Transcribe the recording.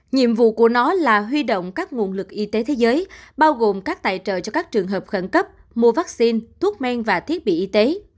nhiệm vụ của nó là huy động các nguồn lực y tế thế giới bao gồm các tài trợ cho các trường hợp khẩn cấp mua vaccine thuốc men và thiết bị y tế